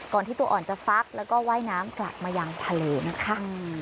ที่ตัวอ่อนจะฟักแล้วก็ว่ายน้ำกลับมายังทะเลนะคะ